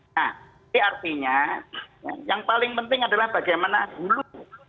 nah ini artinya yang paling penting adalah bagaimana dulu